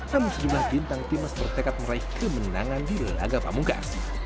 namun sejumlah bintang timnas bertekad meraih kemenangan di laga pamungkas